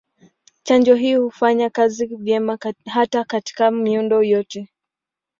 Chanjo hii hufanya kazi vyema hata katika miundo yote.